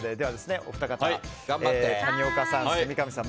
お二方、谷岡さん、三上さん